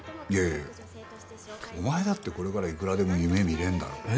いやいやいやお前だってこれからいくらでも夢見れんだろ。